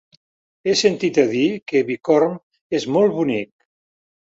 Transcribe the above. He sentit a dir que Bicorb és molt bonic.